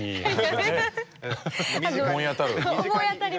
思い当たる？